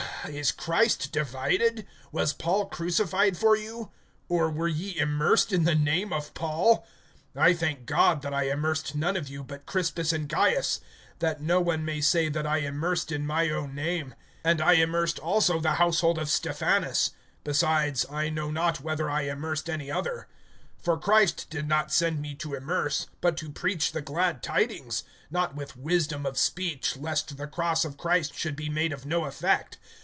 (13)Is Christ divided? Was Paul crucified for you? Or were ye immersed in the name of Paul? (14)I thank God that I immersed none of you, but Crispus and Gaius; (15)that no one may say that I immersed in my own name. (16)And I immersed also the household of Stephanas; besides, I know not whether I immersed any other. (17)For Christ did not send me to immerse, but to preach the glad tidings; not with wisdom of speech, lest the cross of Christ should be made of no effect.